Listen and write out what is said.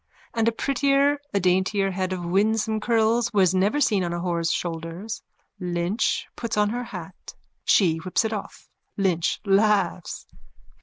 And a prettier, a daintier head of winsome curls was never seen on a whore's shoulders. Lynch puts on her hat. She whips it off.)_ LYNCH: